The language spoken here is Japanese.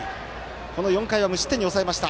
この４回は無失点に抑えました。